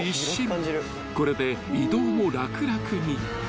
［これで移動も楽々に］